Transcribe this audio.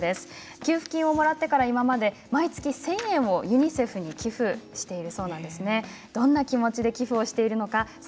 給付金をもらってから今まで毎月１０００円をユニセフに寄付しています。